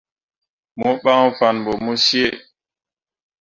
Mo ɓan fanne ɓo mo cii.